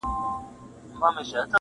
په شب پرستو بد لګېږم ځکه-